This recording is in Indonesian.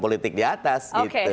politik di atas